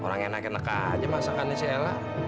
orang enak enak aja masakannya si ela